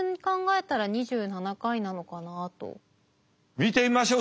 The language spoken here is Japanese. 見てみましょう。